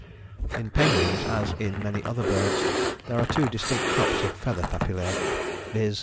"In penguins as in many other birds there are two distinct crops of feather papillae, viz.